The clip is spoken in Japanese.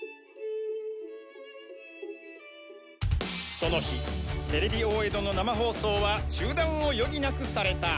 その日テレビ大江戸の生放送は中断を余儀なくされた。